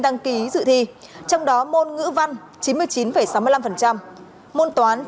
đăng ký dự thi trong đó môn ngữ văn chín mươi chín sáu mươi năm môn toán chín mươi chín chín mươi năm